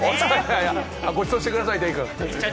ごちそうしてください、デイくん！